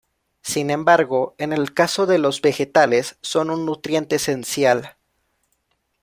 Sin embargo, en el caso de los vegetales, son un nutriente esencial.